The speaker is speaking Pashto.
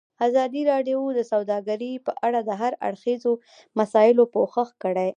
ازادي راډیو د سوداګري په اړه د هر اړخیزو مسایلو پوښښ کړی.